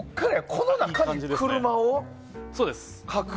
この中に車を描く？